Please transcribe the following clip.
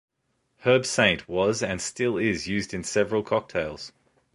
Herbsaint was and still is used in several cocktails.